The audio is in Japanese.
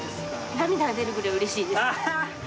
涙が出るぐらいうれしいです。